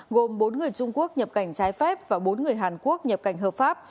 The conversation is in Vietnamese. gồm bốn người trung quốc nhập cảnh trái phép và bốn người hàn quốc nhập cảnh hợp pháp